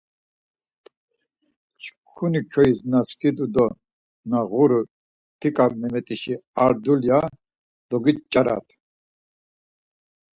Çkuni kyoiz na skidu do na ğuru Ťiǩa Memet̆işi ar dulya doginç̌arat.